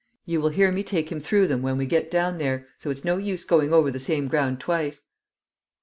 You will hear me take him through them when we get down there, so it's no use going over the same ground twice."